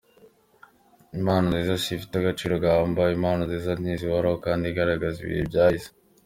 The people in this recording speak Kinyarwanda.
Impano nziza si ifite agaciro gahambaye, impano nziza ni izahoraho kandi igaragaza ibihe byahise.